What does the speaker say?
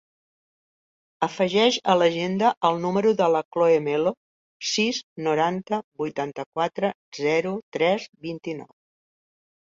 Afegeix a l'agenda el número de la Khloe Melo: sis, noranta, vuitanta-quatre, zero, tres, vint-i-nou.